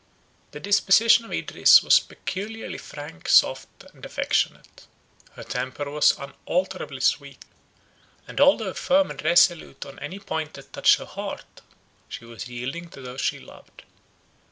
The disposition of Idris was peculiarly frank, soft, and affectionate. Her temper was unalterably sweet; and although firm and resolute on any point that touched her heart, she was yielding to those she loved.